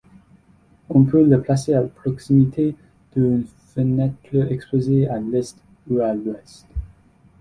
On peut le placer à proximité d'une fenêtre exposée à l'est ou à l'ouest.